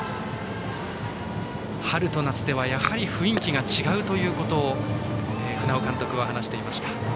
春と夏ではやはり雰囲気が違うということを船尾監督は話していました。